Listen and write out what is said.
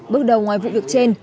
bước đầu ngoài vụ việc trên